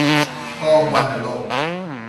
กองวัณโรค